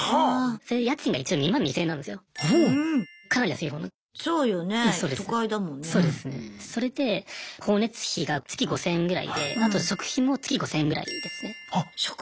そうよねえ都会だもんね。それで光熱費が月５０００円ぐらいであと食費も月５０００円ぐらいですね。